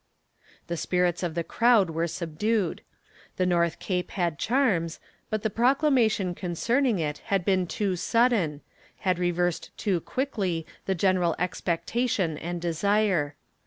The spirits of the crowd were subdued. The North Cape had charms, but the proclamation concerning it had been too sudden had reversed too quickly the general expectation and desire.